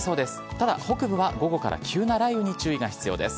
ただ北部は午後から急な雷雨に注意が必要です。